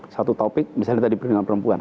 satu topik misalnya tadi perlindungan perempuan